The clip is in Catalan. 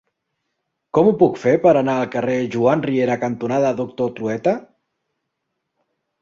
Com ho puc fer per anar al carrer Joan Riera cantonada Doctor Trueta?